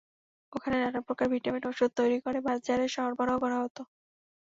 ওখানে নানা প্রকার ভিটামিন ওষুধ তৈরি করে বাজারে সরবরাহ করা হতো।